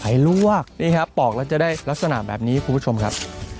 ลวกนี่ครับปอกแล้วจะได้ลักษณะแบบนี้คุณผู้ชมครับ